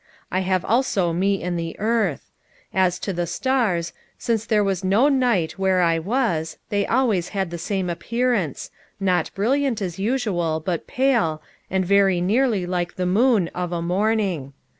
I have also me and the earth. As to the stars, _since there was no night where I was, they always had the same appearance; not brilliant, as usual, but pale, and very nearly like the moon of a morning.